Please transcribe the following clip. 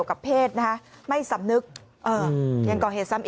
คุณผู้ชมฟังเสียงผู้หญิง๖ขวบโดนนะคะ